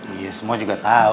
iya semua juga tau